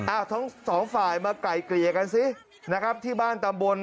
อ้าวทั้งสองฝ่ายมาไก่เกลียกันสินะครับ